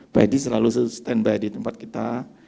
pak edi selalu stand by di tempat kita